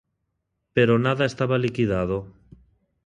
Pero nada estaba liquidado.